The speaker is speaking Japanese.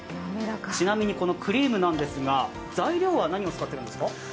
ちなみに、このクリームですが、材料は何を使っているんですか？